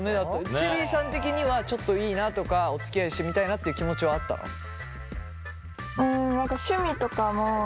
チェリーさん的にはちょっといいなとかおつきあいしてみたいなっていう気持ちはあったの？え！？